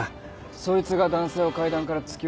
そいつが男性を階段から突き落として。